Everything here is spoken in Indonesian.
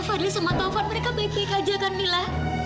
fadli sama taufan mereka baik baik aja kan mila